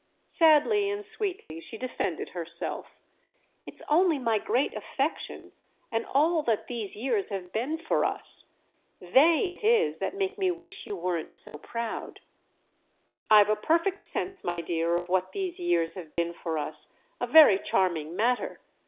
Sadly and sweetly she defended herself. "It's only my great affection—and all that these years have been for us: they it is that make me wish you weren't so proud." "I've a perfect sense, my dear, of what these years have been for us—a very charming matter.